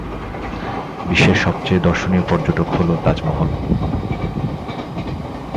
বিশ্বের সবচেয়ে দর্শনীয় পর্যটক হল তাজমহল।